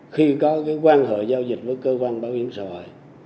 khi có quan hệ giao dịch với cơ quan bảo hiểm xã hội